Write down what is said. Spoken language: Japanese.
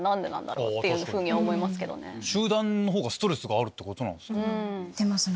集団のほうがストレスがあるってことなんすかね。